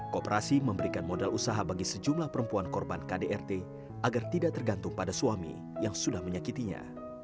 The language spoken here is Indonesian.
kooperasi memberikan modal usaha bagi sejumlah perempuan korban kdrt agar tidak tergantung pada suami yang sudah menyakitinya